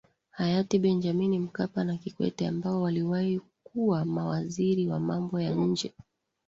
Hayati Benjamin Mkapa na Kikwete ambao waliwahi kuwa mawaziri wa mambo ya nje